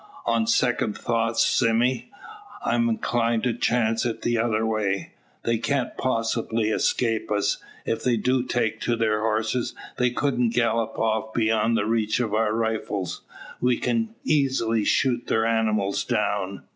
On second thoughts, Sime, I'm inclined to chance it the other way. They can't possibly escape us. If they do take to their horses, they couldn't gallop off beyond reach of our rifles. We can easily shoot their animals down.